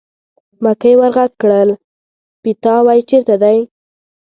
مکۍ ور غږ کړل: پیتاوی چېرته دی.